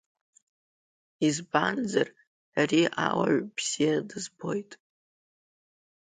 Избанзар, ари ауаҩ бзиа дызбоит.